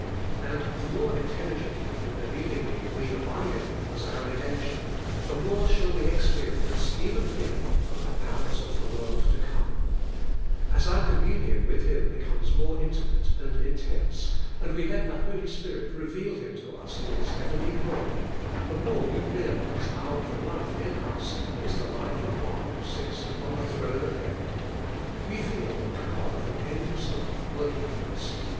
And the more intelli gently and believingly we abide in Him as our re demption, the more shall we experience, even here, of 'the powers of the world to come.' As our com 6 82 ABIDE IN CHRIST: munion with him becomes more intimate and in tense, and we let the Holy Spirit reveal Him to us in His heavenly glory, the more we realize how the life in us is the life of One who sits upon the throne of heaven. We feel the power of an endless life working in us.